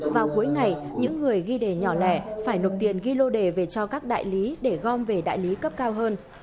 vào cuối ngày những người ghi đề nhỏ lẻ phải nộp tiền ghi lô đề về cho các đại lý để gom về đại lý cấp cao hơn